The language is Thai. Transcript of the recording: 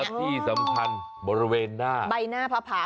และมันที่สำคัญบริเวณหน้าใบหน้าพระพรัชน์